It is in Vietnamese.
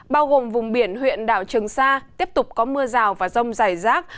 bao gồm vùng biển huyện đảo trường sa tiếp tục có mưa rào và rông dài rác